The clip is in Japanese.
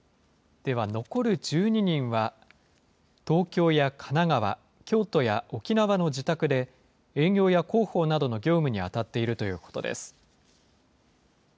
では残る１２人は、東京や神奈川、京都や沖縄の自宅で、営業や広報などの業務に当たっているということです。